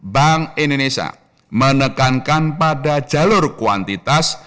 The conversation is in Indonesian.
bank indonesia menekankan pada jalur kuantitas